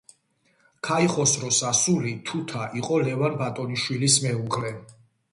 ქაიხოსროს ასული თუთა იყო ლევან ბატონიშვილის მეუღლე.